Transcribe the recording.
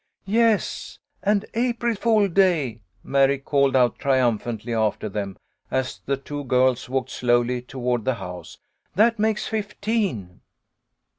"Yes, and April fool's day," Mary called out triumphantly after them, as the two girls walked slowly toward the house. "That makes fifteen."